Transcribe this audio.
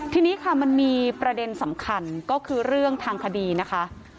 ทีนี้ค่ะมันมีประเด็นสำคัญก็คือเรื่องทางคดีนะคะ